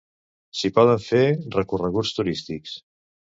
S'hi poden fer recorreguts turístics.